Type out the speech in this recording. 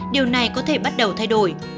điều này có thể bắt đầu thay đổi